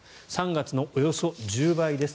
３月のおよそ１０倍です